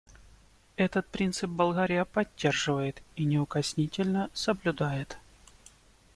Этот принцип Болгария поддерживает и неукоснительно соблюдает.